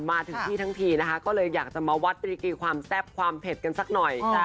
มาถึงที่ทั้งทีนะคะก็เลยอยากจะมาวัดรีกีความแซ่บความเผ็ดกันสักหน่อย